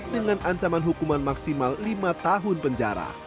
dengan ancaman hukuman maksimal lima tahun penjara